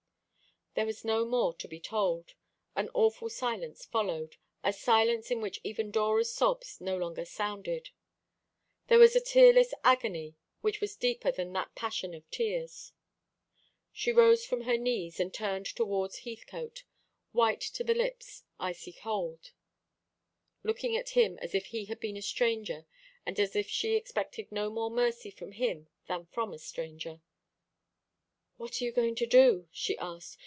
There was no more to be told. An awful silence followed, a silence in which even Dora's sobs no longer sounded. There was a tearless agony which was deeper than that passion of tears. She rose from her knees and turned towards Heathcote, white to the lips, icy cold, looking at him as if he had been a stranger, and as if she expected no more mercy from him than from a stranger. "What are you going to do?" she asked.